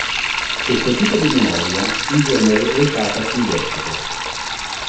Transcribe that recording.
Questo tipo di memoria in genere è usata sui desktop.